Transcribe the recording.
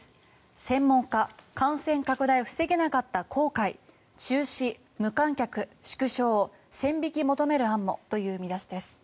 専門家感染拡大防げなかった後悔中止、無観客、縮小線引き求める案もという見出しです。